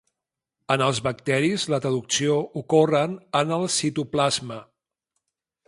En els bacteris la traducció ocorren en el citoplasma.